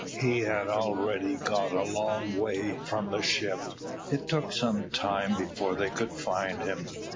He had already got a long way from the ship; it took some time before they could find him.